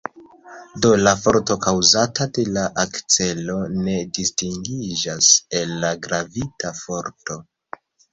Do la forto kaŭzata de la akcelo ne distingiĝas el la gravita forto.